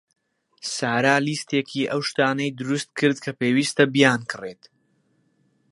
سارا لیستێکی ئەو شتانەی دروست کرد کە پێویستە بیانکڕێت.